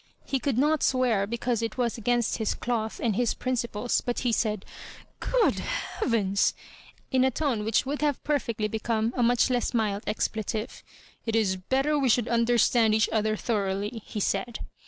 He could not swear because it was against his cloth and his principles ; but he said, " Q ood heavens I" in a tone which would have perfectly become a much less mild expletive. " It is bettor we should understand each other thoroughly," he said.